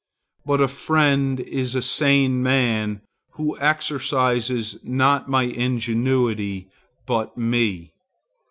But a friend is a sane man who exercises not my ingenuity, but me.